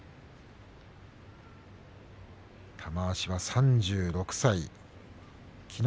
玉鷲は３６歳です。